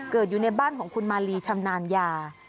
อยู่ในบ้านของคุณมาลีชำนาญยา